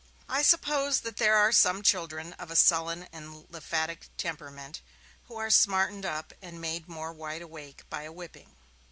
I suppose that there are some children, of a sullen and lymphatic temperament, who are smartened up and made more wide awake by a whipping.